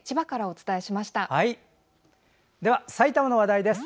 では埼玉の話題です。